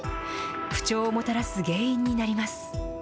不調をもたらす原因になります。